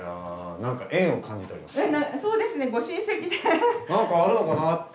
何かあるのかなぁって。